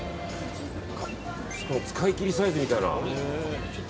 使い切りサイズみたいな。